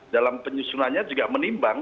dalam penyusunannya juga menimbang